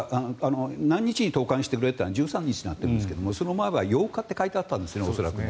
何日に投函してくれというのが１３日になっているんですがその前は８日って書いてあったんですね、恐らく。